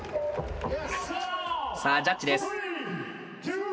さあジャッジです。